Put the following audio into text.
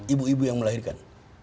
ibu ibu yang melahirkan